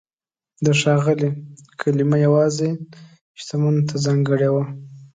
د "ښاغلی" کلمه یوازې شتمنو ته ځانګړې وه.